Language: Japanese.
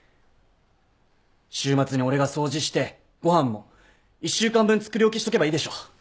週末に俺が掃除してご飯も１週間分作り置きしとけばいいでしょ。